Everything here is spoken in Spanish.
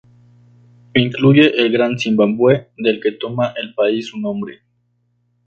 Incluye el Gran Zimbabue del que toma el país su nombre.